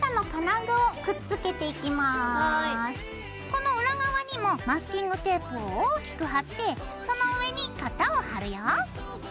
この裏側にもマスキングテープを大きく貼ってその上に型を貼るよ。